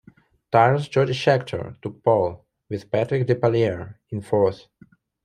Tyrrell's Jody Scheckter took pole, with Patrick Depailler in fourth.